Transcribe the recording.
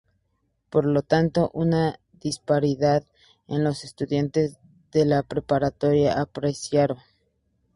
Por lo tanto, una disparidad en los estudiantes de la preparatoria apareció.